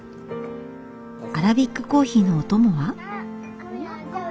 アラビックコーヒーのお供は。